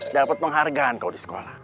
dapet penghargaan kau di sekolah